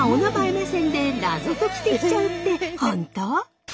目線でナゾ解きできちゃうって本当？